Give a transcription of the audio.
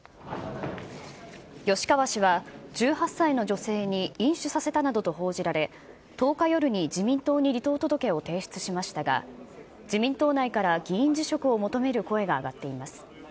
吉川氏は１８歳の女性に飲酒させたなどと報じられ、１０日夜に自民党に離党届を提出しましたが、自民党内から議員辞職を求める声が上がっています。